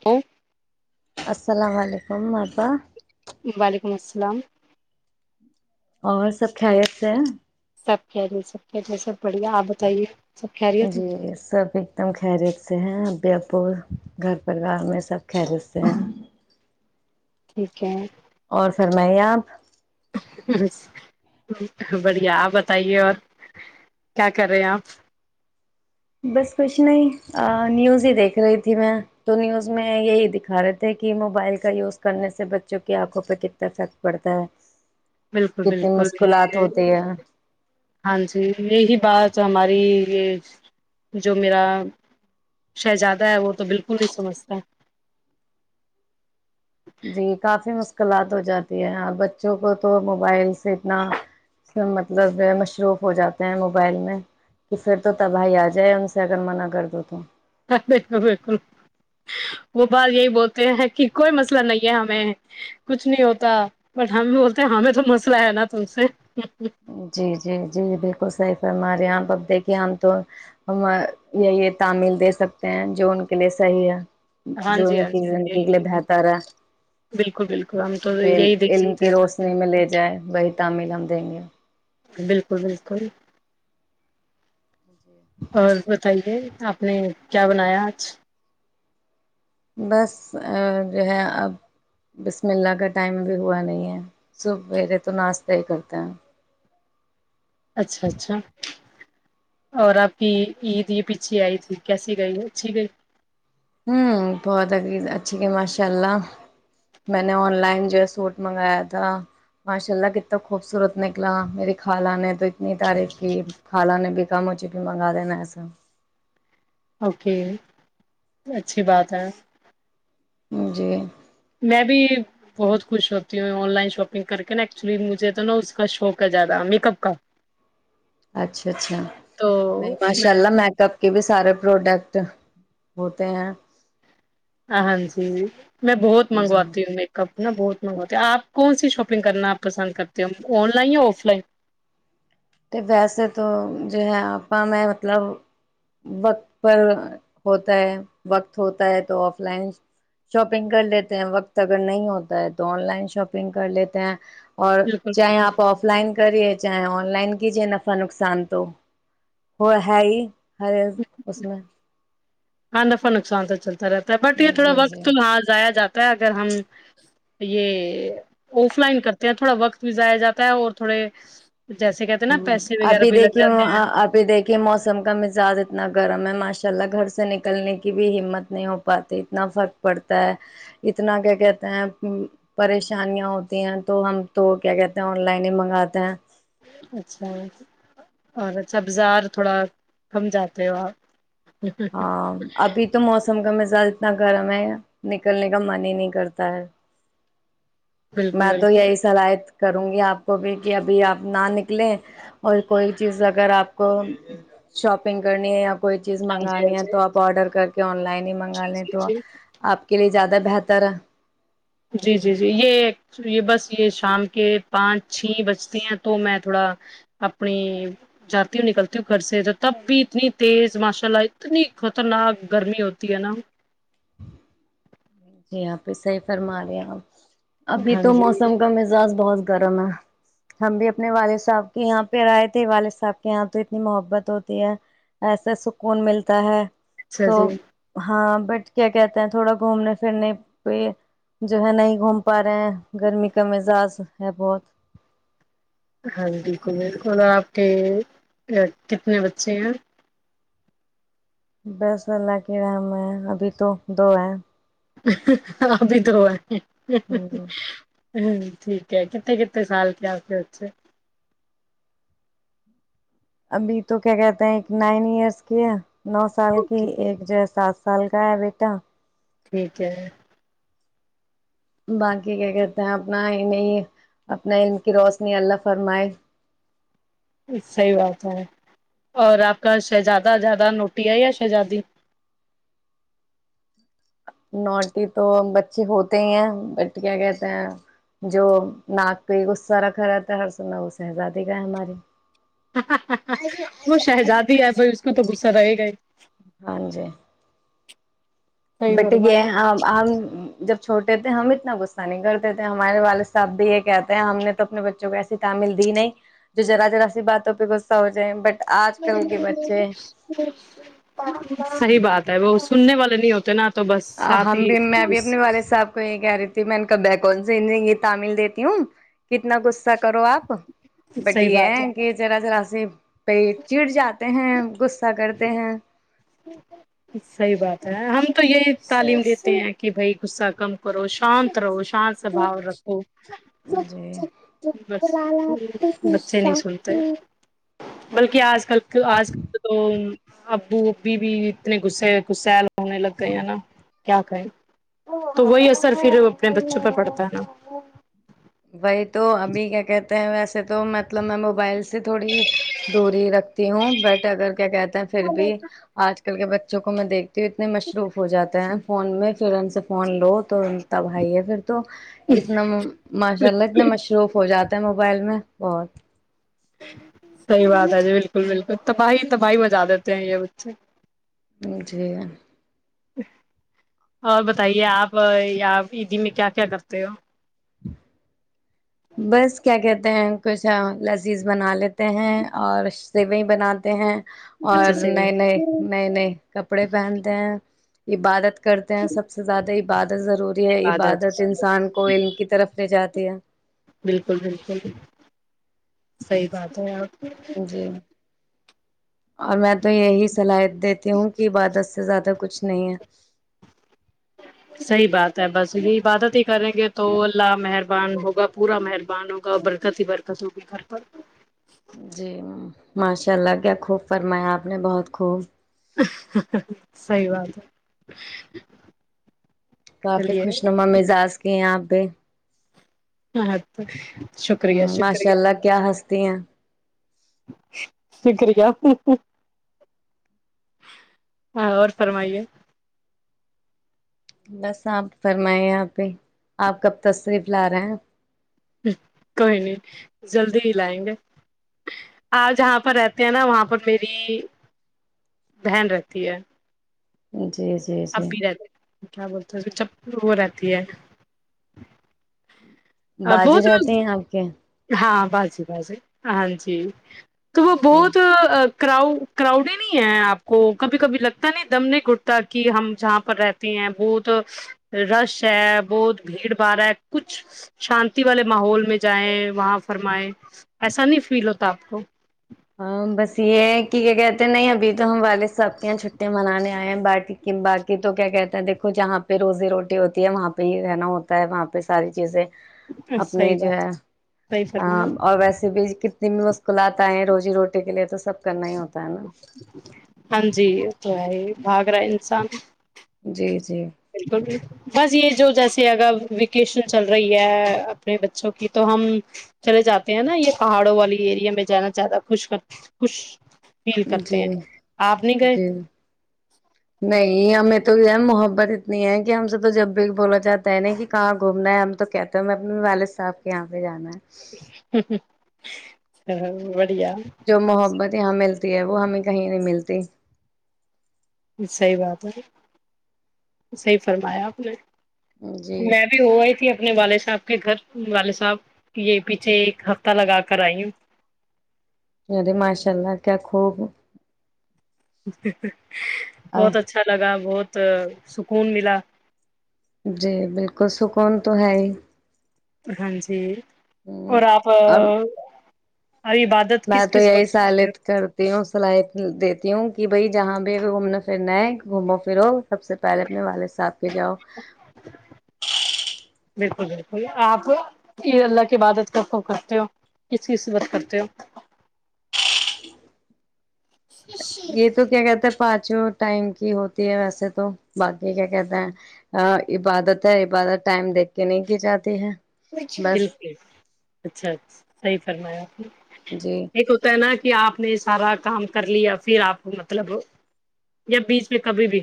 کی [inaudible] السلام علیکم بابا [unintelligible] وعلیکم السلام [unintelligible] اور سب کریت سے [unintelligible] سب کہے سب کہ سب بڑھیا آپ بتائیے [unintelligible] ہے؟ جی سب ایک دم خیریت سے ہیں ا بھی [unintelligible] پ گھر پریوار میں سب کلتے ہیں [unintelligible] ٹھیک ہے [inaudible] اور فرم آپ [unintelligible] بڑھیا آپ بتائیے اور کیا کر رہے ہیں آپ [unintelligible] بس کچھ نہیں نیوز ہی دیکھ رہی تھی میں تو نیوز میں یہی دکھا رہے تھے کہ موبائل کا یوز کرنے سے بچوں کی آنکھوں پہ کتنا افیکٹ پڑتا ہے [unintelligible] بالکل کتنی بالکل مشکلات یہ ہوتی ہے ہاں جی یہی بات ہماری [unintelligible] یہ جو میرا شہزادہ ہے وہ تو بالکل نہیں سمجھتا [unintelligible] جی کافی مشکلات ہو جاتی ہے اور بچوں کو تو موبائل سے اتنا مطلب مصروف ہو جاتے ہیں موبائل میں کہ پھر تو تباہی آ جائے ان سے اگر منع کر دو تو [unintelligible] بالکل بالکل وہ بات یہی بولتے ہیں کہ کوئی مسئلہ نہیں ہے ہمیں کچھ نہیں ہوتا بٹ ہم بولتے ہمیں تو مسئلہ ہے نا تم سے [unintelligible] جی جی جی بالکل صحی ف ہمارے یہاںب دیکھیے ہم تو یہی تعمیل دے سکتے ہیں جو ان کے لیے صحیح ہے [unintelligible] ہاں جو جی ان ہاں کی جی زندگی کے یہی لیے بہتر ہے بالکل بالکل ہم تو جو یہی دیکھ علم سکتے کی ہیں روشنی میں لے جائے ب [unintelligible] تامل ہم دیں گے [inaudible] بالکل بالکل [unintelligible] اور بتائیے [unintelligible] آپ نے کیا بنایا آج [unintelligible] بس جو ہے اب بسم اللہ کا ٹائم بھی ہوا نہیں ہے صبیرے تو ناشتہ ہی کرتے ہیں [unintelligible] اچھا اچھا اور آپ کی عید یہ پیچھے آئی تھی کیسی گئی اچھی گئی [unintelligible] ہ بہتگی اچھی کی ماشاء اللہ میں نے آن لائن جو ہے سوٹ منگایا تھا ماشاء اللہ کتنا خوبصورت نکلا میری خالہ نے تو اتنی تعریف کی خالہ نے بھی کم ہو چک منگا دینا ایسا [unintelligible] اوکے اچھی بات ہے [unintelligible] جی [inaudible] میں بھی بہت خوش ہوتی ہوں آن لائن شاپنگ کر کے نا ایکچولی مجھے تو نا اس کا شوق ہے زیادہ میک اپ کا [unintelligible] اچھا اچھا تو نہیں ماشاء میں اللہ میک اپ کے بھی سارے پروڈکٹ [unintelligible] ہوتے ہیں [inaudible] ہاں جی میں بہت جی منگواتی ہوں میک اپ ا بہت منگا ہوتا ہے آپ کون سی شاپنگ کرنا آپ پسند کرتے ہو آن لائن یا آف لائن ویسے تو جو ہے آا میں مطلب وقت پر ہوتا ہے وقت ہوتا ہے تو آف لائن شاپنگ کر لیتے ہیں وقت اگر نہیں ہوتا ہے تو آن لائن شاپنگ کر لیتے ہیں اور بالکل چاہے بالکل آپ آف لائن کریے چاہے آن لائن کی جے نفع نقصان تو ہو ہے ہی ہر ایک اس میں ہاں نفا نقصان تو چلتا رحتا ہے بٹ یہ تھوڑا جی وقت تو جی ہاں جایا جاتا اگر ہم یہ آف لائن کرتے ہیں تھوڑا وقت بھی جایا جاتا ہے اور تھوڑے جیسے کہتے ہیں ہ نا پیسے وغیرہ ابھی بھی لگ دیکھیے جاتے ہیں ابھی دیکھیے موسم کا مزاج اتنا گرم ہے ماش انء اللہ گھر سے نکلنے کی بھی ہمت نہیں ہو پاتی اتنا فرق پڑتا ہے اتنا کیا کہتے ہیں پریشانیاں ہوتی ہیں تو ہم تو کیا کہتے ہیں آن لائن ہی منگاتے ہیں اچھا اور اچھا بازار تھوڑا کم جاتے ہو آپ ہاں ابھی تو موسم کا م اتنا گرم ہے نکلنے کا من ہی نہیں کرتا ہے م بالکل تو بالکل یہی سلاح کروں گی آپ کو بھی کہ ابھی آپ نہ نکلیں اور کوئی چیز اگر آپ کو شاپنگ کرنی ہے یا کوئی چیز ہاں جی ہاں منگانی ہے جی تو آپ آرڈر کر کے آن لائن ہی منگا لیں جی تو جی آپ کے لیے زیادہ بہتر ہے جی جی جی یہ یہ بس یہ شام کے پانچ چھ بجتی ہیں تو میں تھوڑا اپنی جاتی ہوں نکلتی ہوں گھر سے تو تب بھی اتنی تیز ماشاء اللہ اتنی خطرناک گرمی ہوتی ہے نا جی آپ صحیح فرما رہے ابھی ہاں تو جی موسم کا مزاج بہت گرم ہے ہم بھی اپنے والد صاحب کے یہاں پہ آئے تھے والد صاحب کے یہاں تو اتنی محبت ہوتی ہے ایسا سکون ملتا ہے اچھا تو جی ہاں بٹ کیا کہتے ہیں تھوڑا گھومنے پھرنے پہ جو ہے نہیں گھوم پا رہے ہیں گرمی کا مزاج ہے بہت ہاں بالکل بالکل آپ کے کتنے بچے ہیں بس اللہ کی رحم ہے ابھی تو دو ہے ابھی توروا ا ہ ہ ٹھیک ہے کتنے کتنے سال کیاتے اے ابھی تو کیا کہتے ہیں ایک نائن ایئرس کی ہے نو سال کی اوکے ایک ج ساات سل کا ہے بیٹا ٹھیک ہے باقی کیا کہتے ہیں اپنا نہیں اپنا علم کی روشنی اللہ فرمائے صحی بات ہے اور آپ کا شہزادہ زیادہ نوٹی ہے یا شہزادی نوٹی تو بچے ہوتے ہی ہیں بٹ کیا کہتے ہیں جو ناک پہ غصہ رکھا رہتا ہے ہر سو میں وہ سہزادے کا ہے ہماراری وہ شہزادی ہے بھائی اس کو تو غصہ رہے گا ہی ہاں جی صحیح بٹ گ فرمایا آ جب چھوٹے تھے ہم اتنا غصہ نہیں کرتے تھے ہمارے والد صاحب بھی یہ کہتے ہیں ہم نے تو اپنے بچوں کو ایسی تعمیل دی نہیں جو ذرا ذرا سی باتوں پہ غصہ ہو جائے بٹ آج کل کے بچے صحی بات وہ سننے والے نہیں ہوتے نا تو بس ساتھ ہم ہی بھی میں بھی اپنے والد صاحب کو یہ کہہ رہی تھی میں ان کا بیگ کون سے یہ تمل دیتی ہوں کتنا کچھ ا کرو آپ صحیح بڈی ہے بات کہ جراا زیب پہ چڑ جاتے ہیں غ ایسا کرتے ہیں صحی بات ہے ہم تو یہ تعلیم دیتے ہیں کہ بھائی غصہ کم کرو شانت رہو شانت سبھا رکھو جی بس بچے نہیں سنتے بلکہ آج کل [unintelligible] تو آج کل تو تو ابو ابھی بھی اتنے گسے گسل ہونے لگ گئے ہے نا کیا کہیں تو وہی اثر پھر اپنے بچوں پر پڑتا ہے نا بائی تو اھی کیا کہ ویسے تو مطلب میں موبائل سے تھوڑی دوری رکھتی ہوں بٹ اگر کیا کہتے پھر بھی آج کل کے بچے جوک میں دیک تو اتنے مصروف ہو جاتے ہیں فون میں پھر ان سے فون لو تو تب آ ہی ہے پھر تو اتنا ماشاء اللہ اتنے مشروف ہو جاتا ہے موبائل میں بہت صحیح بات ہے جی بالکل بالکل تباہی تباہی مجا دیتے ہیں یہ بچے نہیں چاہی گ اور بتائیے آپ پ عیدی میں کیا کیا کرتے ہو ہ [inaudible] بس کیا کہتے ہیں کچھ لذیذ بنا لیتے ہیں اور سیویں بناتے ہیں اور اچھا سے بھائی نئے نئے نئے نئے کپڑے پہنتے ہیں عبادت کرتے ہیں سب سے زیادہ عبادت ضروری ہے عبادت انسان کو علم کی طرف لے جاتا دیا بالکل بالکل صحیح بات ہے آپ جی اور میں تو یہی صلاح دیتی ہوں کہ عادت سے زیادہ کچھ نہیںے صحیح بات ہے بس یہ عبادت ہی کریں گے تو اللہ مہربان ہوگا پورا مہربان ہوگا برکت ہی برکت ہوگی گھر پر ہے جی ماشاء اللہ کیا خوب فرمایا آپ نے بہت خوب سی بات ہے کافی چلیے خوش نما مزاج کی ہیں آپ [unintelligible] ہاں تو شکریہ شکریہ تینں شکریہ ہ اور فرمائیے بس آپ فرمائیں یہاں پہ آپ کب تصریف ب ل رہیں ہیں کوئی نہیں جلدی ہی لائیں گے آپ جہاں پر رہتے ہیں نا وہاں پر میری بہن رہتی ہے جچ اب بھی رہتے کیا بولتے ہیں جب وہ رہتی ہے بازے بہت رہتے ہیں آپ کے ہاں بس جی بس ہاں جی تو وہ جی بہت کراؤ کراؤڈی نہیں ہے آپ کو کبھی کبھی لگتا نہیں دم نہیں گھٹتا کہ ہم جہاں پر رہتے ہیں بہت رش ہے بہت بھیڑ باڑ ہے کچھ شانتی والے ماحول میں جائیں وہاں فرمائے ایسا نہیں فیل ہوتا آپ کو ہاں بس یہ کہ کیا کہتے نہیں ابھی ہم والے ساب کیں چھٹں منانے باقی تو کیا کہتے ہے دیکو جہاں پہ روزی روٹی ہوتی ہے وہاں پہ ہی رہنا ہوتا ہے وہاں پہ ساری چیزیں اپنی صحیح جو بات ہے صحیح فرمایا اور ویسے بھی کتنی بھی مشکلات آئے ہیں رو جی روٹی کے لیے تو سب کرنا ہی ہوتا ہے نا ہاں جی تو ہے ہی بھاگ رہا ہے انسان جی جی بالکلل بس یہ جو جیسے اگر ویکیشن چل رہی ہے اپنے بچوں کی تو ہم چلے جاتے ہیں نا یہ پہاڑوں والی ایریا میں جانا زیادہ خوش کر خوش فیل کرتے جی ہیں آپ نہیں گئے جی نہیں ہم م تو محبت اتنی ہے کہ ہم سے تو جب بھی بولا چاہتا ہے نا کہ کہاں گھومنا ہے ہم تو کہتے ہیں ہم اپنے والد صاحب کے یہاں پہ جانا ہے ہ ہ [inaudible] ہ [inaudible] جو محبت یہاں ملتی وہ ہمیں کہیں نہیں ملتی صحی بات ہے صحیح فرمایا آپ نے جی میں بھی ہو ہی تھی اپنے والے سے آپ کے گھر والد صاحب یہ پیچھے ایک ہفتہ لگا کر آئی ہوں اے ماشاء اللہ کیا [unintelligible] خوب [unintelligible] اچ [unintelligible] بہت اچھا لگا بہت بہت سکون ملا جی بالکل سکون تو ہے ہی ہاں جی [unintelligible] اور آپ [unintelligible] اب عبادت میں کس تو کس یہی وقت کرتے سالت کرتی ہوں صلاحیت دیتی ہوں کہ بھائی جہاں بھی گھومنا پھرنا ہے گھومو پھرو سب سے پہلے اپنے والد صاحھ پ جاؤ بالکل بالکل آپ اللہ کی عبادت خ کرتے ہو کس کس وقت کرتے ہو یہ تو کیا کہتا [unintelligible] پانچو ٹائم کی ہوتی ہے ویسے تو باقی کیا کہتے ہیں عبادت ہے عبادت ٹائم دیکھ کے نہیں کی جاتی ہے بالکل بس اچھاچ صحیح فرمایا آپ نے جی ایک ہوتا ہے نا کہ آپ نے اس سارا کام کر لیا پھر آپ مطلب یا بیچ میں کبھی بھی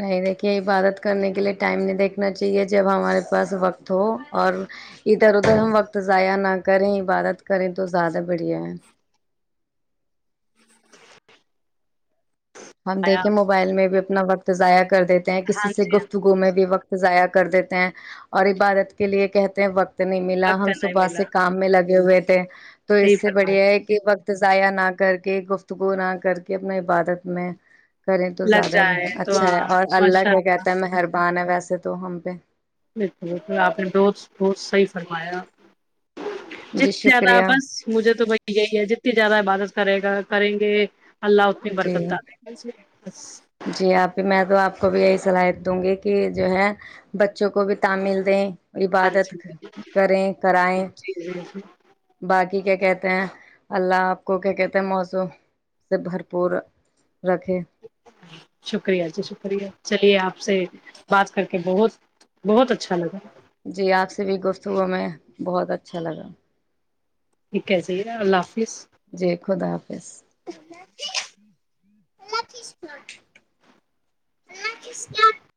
نہیں دیکھیے عبادت کرنے کے لیے ٹائم نہیں دیکھنا چاہیے جب ہمارے پاس وقت ہو اور ادھر ادھر ہم وقت ضائع نہ کریں عبادت کریں تو زیادہ بڑھیا ہے ہم آیا دیکھیں موبائل میں بھی [unintelligible] اپنا وقت ضائع کر دیتے ہیں کسی ہاں سے جی ہاں گفتگو میں بھی وقت ضائع کر دیتے ہیں اور عبادت کے لیے کہتے ہیں وقت وقت نہیں ملا وقت ہم نہیں صبح ملا سے کام میں لگے ہوئے تھے تو صحیح اس سے فرمایا بڑھیا ہے کہ وقت ت ضائیہ نہ کر کے گفتگو نہ کر کے اپنا عبادت میں [unintelligible] کریں تو لگ زیادہ جائے تو اچھا ہے ہاں اور اللہ ماشاء کیا کہتا ہے مہربان ہے ویسا ایسے تو ہم پہ بلکل آپ نے دوست دوست صحیح فرمایا جی جتنی زیادہ شکریہ بس مجھے تو وہی یہی ہے جتنی زیادہ عبادت کرے گا کریں گے [unintelligible] اللہ ہوتی جی برکتا [unintelligible] جی آپ بھی، میں تو آپ کو بھی یہی صلاحیت دوں گی کہ جو ہے بچوں کو بھی تعمل دیں [unintelligible] ہاں عبادت جی کریں کرائیں جی جی جی باقی کیا کہتے [unintelligible] کہ اللہ آپ کو کیا کہتے ہیں موضو [unintelligible] تو بھرپور رکھے شکریہ جی شکریہ چلیے آپ سے بات کر کے بہت بہت اچھا لگا جی آپ سے بھی گفت ہوا میں بہت اچھا لگا ٹھیک ہے چاہیے اللہ س جی خدا حافظ [unintelligible] [inaudible]